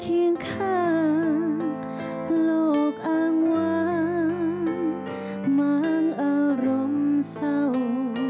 เคียงข้างโลกอ้างว่าเหมือนอารมณ์เศร้า